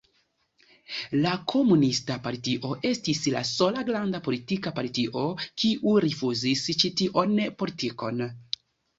La komunista partio estis la sola granda politika partio, kiu rifuzis ĉi tion politikon.